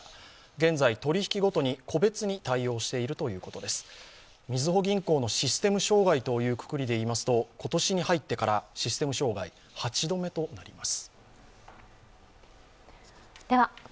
現在、取引ごとに個別に対応しているということでみずほ銀行のシステム障害というくくりで言いますと今年に入ってからシステム障害８度目となります。